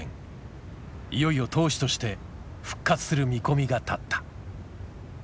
いよいよ投手として復活する見込みが立った。